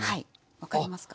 分かりますか？